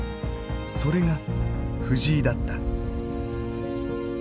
それが藤井だった。